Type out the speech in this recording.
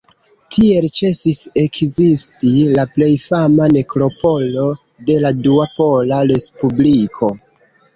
Tiel ĉesis ekzisti la plej fama nekropolo de la Dua Pola Respubliko.